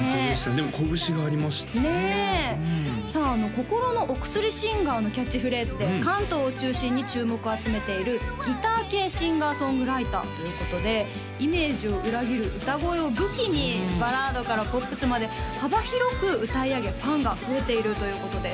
でもこぶしがありましたねねえさあ心のお薬シンガーのキャッチフレーズで関東を中心に注目を集めているギター系シンガー・ソングライターということでイメージを裏切る歌声を武器にバラードからポップスまで幅広く歌い上げファンが増えているということです